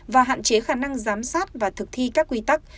và hạn chế khả năng giám sát và thực thi các quy tắc